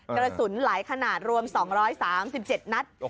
กระสุนหลายขนาดรวม๒๓๗นัด